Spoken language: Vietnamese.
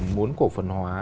muốn cổ phần hóa